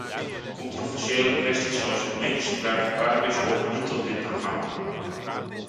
Controversiële kwesties zoals het medisch gebruik van cannabis horen niet tot dit programma.